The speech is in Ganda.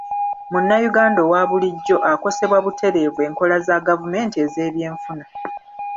Munnayuganda owabulijjo akosebwa butereevu enkola za gavumenti ez'ebyenfuna.